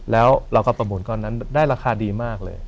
แล้วเราก็ประมูลก้อนนั้นได้ราคาดีมากเลย